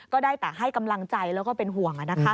ก็ได้แต่ให้กำลังใจแล้วก็เป็นห่วง